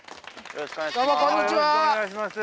よろしくお願いします。